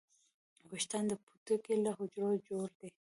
ویښتان د پوټکي له حجرو جوړ دي